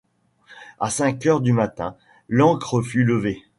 À cinq heures du matin, l’ancre fut levée